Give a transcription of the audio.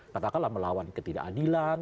katakanlah melawan ketidakadilan